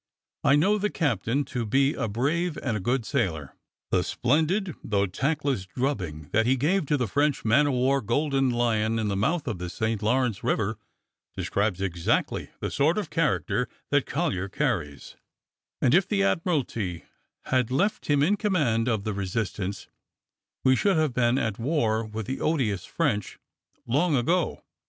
I know the captain to be a brave and a good sailor. The splendid though tactless drubbing that he gave to the French man o' war Golden Lion in the mouth of the St. Lawrence River describes exactly the sort of character that Collyer carries; and if the Admiralty had left him in command of the Resistance we should have been at war with the odious French long ago.